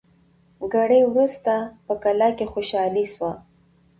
ګړی وروسته په کلا کي خوشالي سوه